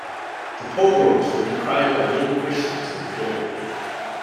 The pogroms were decried by many Christians of the day.